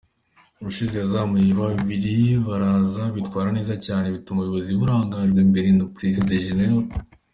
Ubushize yazamuye babiri baraza bitwara neza cyane bituma ubuyobozi burangajwe imbere na Perezida Gen.